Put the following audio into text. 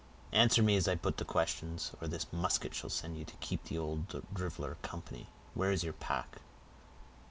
"Answer me as I put the questions, or this musket shall send you to keep the old driveler company: where is your pack?"